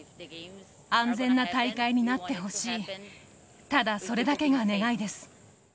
安全な大会になってほしい、ただそれだけが願いです。